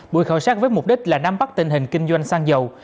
buổi khảo sát với mục đích là nắm bắt tình hình kinh doanh xăng dầu